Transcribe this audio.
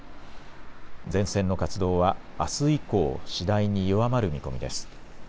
前線の活動はあす以降、次第に弱まる見込みです。